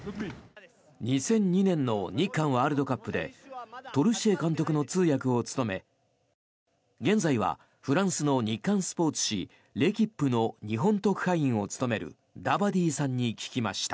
２００２年の日韓ワールドカップでトルシエ監督の通訳を務め現在はフランスの日刊スポーツ紙レキップの日本特派員を務めるダバディさんに聞きました。